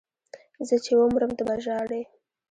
زه چې ومرم ته به ژاړې